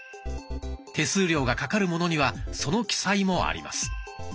手数料がかかるものにはその記載もあります。